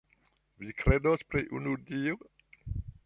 Vi kredos pri unu Dio.